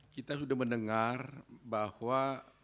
kita sudah mendengar bahwa